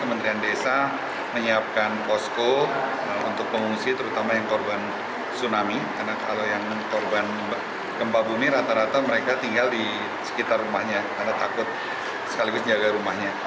kementerian desa menyiapkan posko untuk pengungsi terutama yang korban tsunami karena kalau yang korban gempa bumi rata rata mereka tinggal di sekitar rumahnya karena takut sekaligus jaga rumahnya